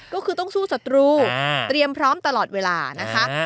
ก็คือต้องสู้ศัตรูเตรียมพร้อมตลอดเวลานะคะ